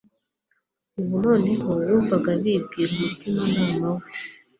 ubu noneho yumvaga bibwira umutimanama we,